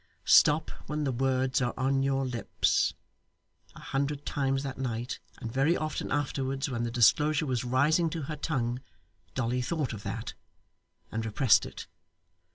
'Stop when the words are on your lips.' A hundred times that night, and very often afterwards, when the disclosure was rising to her tongue, Dolly thought of that, and repressed it.